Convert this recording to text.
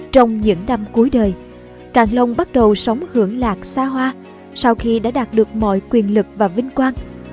trong những năm cuối đời càng long bắt đầu sống hưởng lạc xa hoa sau khi đã đạt được mọi quyền lực và vinh quang